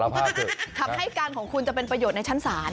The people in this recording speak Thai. คำให้การของคุณจะเป็นประโยชน์ในชั้นศาล